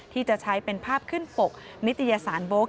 ที่จะใช้เป็นภาพขึ้นปกนิตยสารโบ๊ค